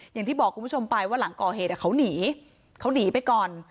อย่างที่บอกคุณผู้ชมไปว่าหลังก่อเหตุเขาหนีเขาหนีไปก่อน